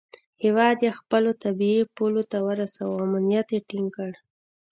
هیواد یې خپلو طبیعي پولو ته ورساوه او امنیت یې ټینګ کړ.